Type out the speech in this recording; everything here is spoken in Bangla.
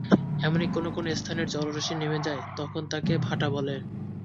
এমনইভাবে কোনো কোনো স্থানের জলরাশি নেমে যায়, তখন তাকে ভাটা বলে।